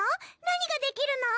何ができるの？